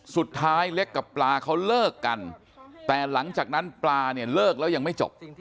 สุดท้ายเล็กกับปลาเขาเลิกกันแต่หลังจากนั้นปลาเนี่ยเลิกแล้วยังไม่จบ